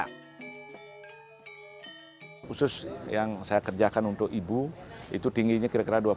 khusus yang saya kerjakan untuk membuatnya adalah untuk membuatnya untuk orang orang yang berada di luar negara ini